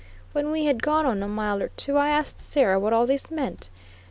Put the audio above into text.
When we had gone on a mile or two, I asked Sarah what all this meant?